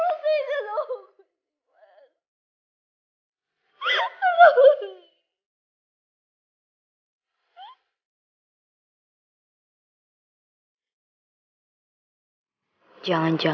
lo mau tanya dong